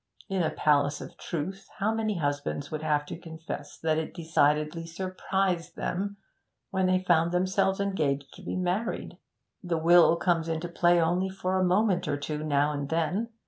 In a Palace of Truth how many husbands would have to confess that it decidedly surprised them when they found themselves engaged to be married? The will comes into play only for a moment or two now and then.